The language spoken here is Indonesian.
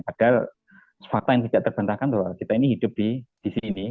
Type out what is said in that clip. padahal fakta yang tidak terbentangkan bahwa kita ini hidup di sini